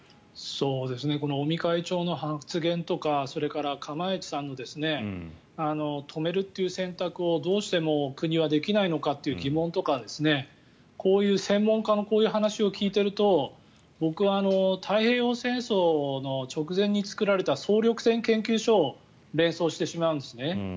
この尾身会長の発言とかそれから釜萢さんの止めるという選択をどうしても国はできないのかという疑問とか、こういう専門家のこういう話を聞いていると僕は太平洋戦争の直前に作られた総力戦研究所を連想してしまうんですね。